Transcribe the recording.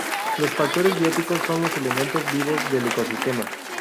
Los factores bióticos son los elementos vivos del ecosistema.